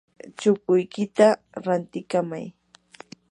chukuykita rantikamay.